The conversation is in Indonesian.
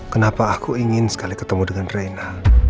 kenapa aku ingin sekali ketemu dengan reina